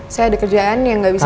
saya ada kerjaan yang gak bisa